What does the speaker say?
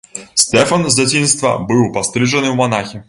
Стэфан з дзяцінства быў пастрыжаны ў манахі.